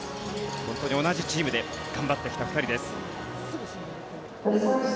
本当に同じチームで頑張ってきた２人です。